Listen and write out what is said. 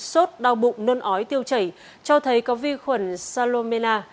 sốt đau bụng nôn ói tiêu chảy cho thấy có vi khuẩn salomenia